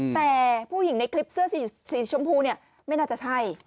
แต่ผู้หญิงในคลิปเสื้อสีชมพูเนี่ยไม่น่าจะใช่